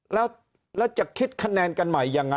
แล้วจะคิดคะแนนกันใหม่ยังไง